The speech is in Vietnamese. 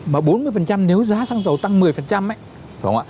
mà bốn mươi nếu giá xăng dầu tăng một mươi